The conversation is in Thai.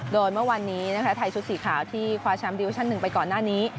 โดยเมื่อวันนี้นะคะไทยชุดสีขาวที่คว้าแชมป์ดิวิชั่น๑ไปก่อนหน้านี้